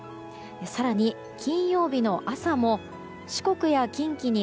更に、金曜日の朝も四国や近畿に